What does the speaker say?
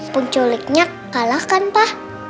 penculiknya kalah kan pa